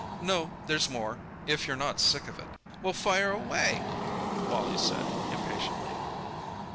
"No, there's more, if you're not sick of it." "Well, fire away," Wally said impatiently.